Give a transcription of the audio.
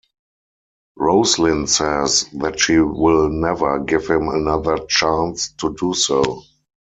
Roslin says that she will never give him another chance to do so.